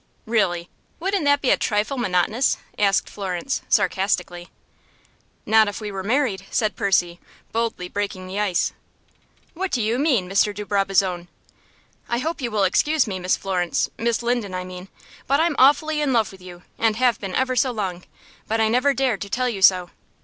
"Really! Wouldn't that be a trifle monotonous?" asked Florence, sarcastically. "Not if we were married," said Percy, boldly breaking the ice. "What do you mean, Mr. de Brabazon?" "I hope you will excuse me, Miss Florence Miss Linden, I mean; but I'm awfully in love with you, and have been ever so long but I never dared to tell you so.